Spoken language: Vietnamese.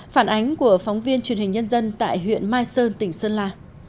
phản ánh của phóng viên truyền hình nhân dân tại huyện mai sơn tỉnh sơn la